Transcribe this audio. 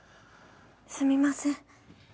すみません。